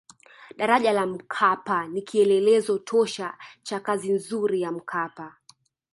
daraja la mkapa ni kielelezo tosha cha kazi nzuri ya mkapa